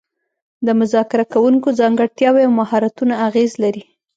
د مذاکره کوونکو ځانګړتیاوې او مهارتونه اغیز لري